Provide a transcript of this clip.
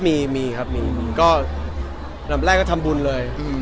มีครับแบบแรกก็ทำบุญเลย